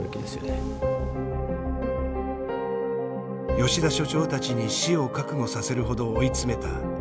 吉田所長たちに死を覚悟させるほど追い詰めた２号機。